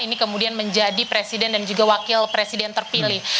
ini kemudian menjadi presiden dan juga wakil presiden terpilih